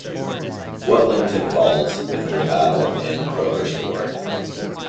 Whatlington falls within the Battle and Crowhurst ward.